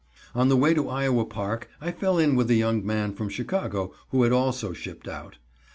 On the way to Iowa Park, I fell in with a young man from Chicago, who had also shipped out.